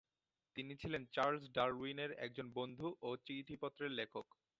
তিনি ছিলেন চার্লস ডারউইনের একজন বন্ধু ও চিঠিপত্রের লেখক।